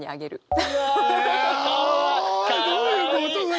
いやどういうこと！？